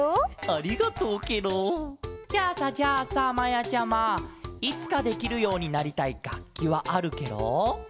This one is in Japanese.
ありがとうケロ！じゃあさじゃあさまやちゃまいつかできるようになりたいがっきはあるケロ？